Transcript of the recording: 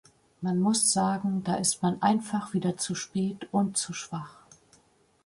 Man muss sagen, da ist man einfach wieder zu spät und zu schwach.